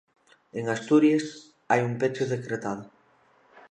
En Asturies hai un peche decretado.